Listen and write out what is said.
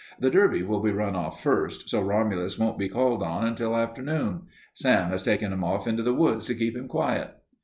The Derby will be run off first, so Romulus won't be called on until afternoon. Sam has taken him off into the woods to keep him quiet."